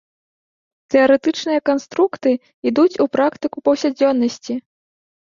Тэарэтычныя канструкты ідуць у практыку паўсядзённасці.